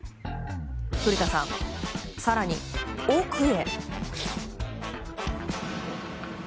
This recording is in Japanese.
古田さん、更に奥へ。